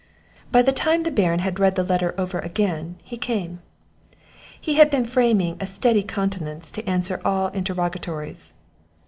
By the time the Baron had read the letter over again, he came. He had been framing a steady countenance to answer to all interrogatories.